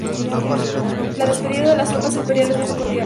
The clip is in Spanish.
La despedida de las tropas imperiales no fue "cordial".